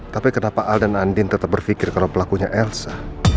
tapi kenapa al dan andin tetap berpikir kalau pelakunya elsa